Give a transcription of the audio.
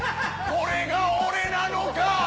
これが俺なのか！